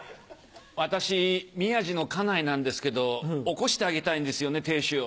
私宮治の家内なんですけど起こしてあげたいんですよね亭主を。